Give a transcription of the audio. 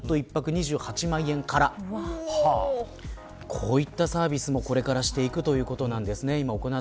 こういったサービスもこれからしていくということです。